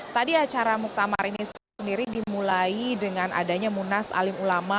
tadi acara muktamar ini sendiri dimulai dengan adanya munas alim ulama